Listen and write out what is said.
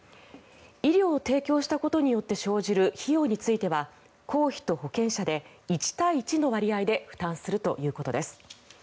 医療を提供したことによって生じる費用については公費と保険者で１対１の割合で負担するということです。